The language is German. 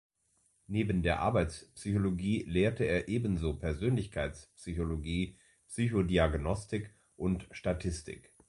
Neben der „Arbeitspsychologie“ lehrte er ebenso Persönlichkeitspsychologie, Psychodiagnostik und Statistik.